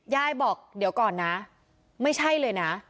ยายบอกเดี๋ยวก่อนนะไม่ใช่เลยนะ